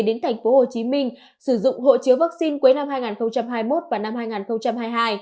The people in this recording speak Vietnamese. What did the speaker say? đến thành phố hồ chí minh sử dụng hộ chiếu vaccine cuối năm hai nghìn hai mươi một và năm hai nghìn hai mươi hai